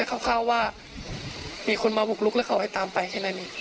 คร่าวว่ามีคนมาบุกลุกแล้วเขาให้ตามไปแค่นั้นเอง